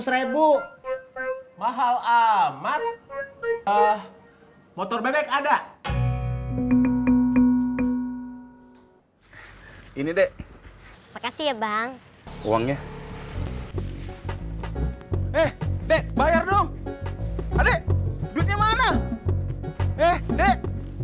sembilan ratus rebu mahal amat motor bebek ada ini dek makasih ya bang uangnya eh dek bayar dong adek